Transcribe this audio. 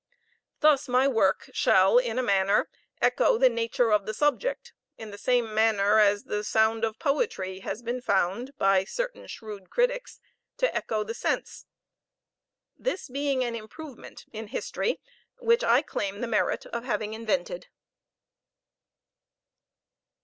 Thus my work shall, in a manner, echo the nature of the subject, in the same manner as the sound of poetry has been found by certain shrewd critics to echo the sense this being an improvement in history which I claim the merit of having invented.